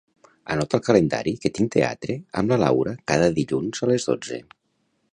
Anota al calendari que tinc teatre amb la Laura cada dilluns a les dotze.